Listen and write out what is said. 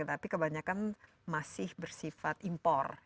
tapi kebanyakan masih bersifat impor